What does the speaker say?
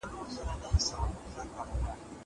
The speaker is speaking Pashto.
زه پرون سیر وکړ.